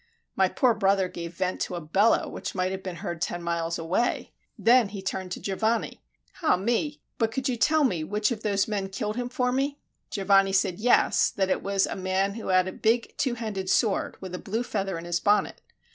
My poor brother gave vent to a bellow which might have been heard ten miles away. Then he turned to Giovanni: "Ah me! but could you tell me which of those men killed him for me?" Giovanni said yes, that it was a man who had a big two handed sword, with a blue feather in his bonnet.